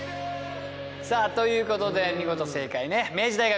さあということで見事正解ね明治大学でございました。